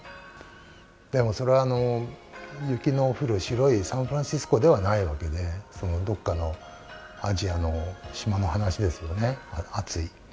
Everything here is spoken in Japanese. でも、それは雪の降る白いサンフランシスコではないわけで、どっかのアジアの島の話ですよね、暑い。